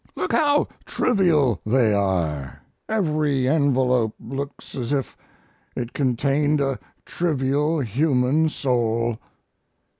Look how trivial they are! Every envelope looks as if it contained a trivial human soul."